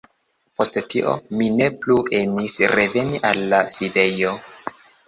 Post tio, mi ne plu emis reveni al la sidejo.